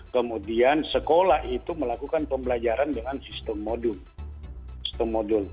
kemudian sekolah itu melakukan pembelajaran dengan sistem modul modul